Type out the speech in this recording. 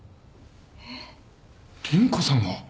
えっ？凛子さんが！？